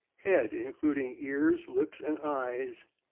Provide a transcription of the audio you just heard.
Head, including ears, lips, and eyes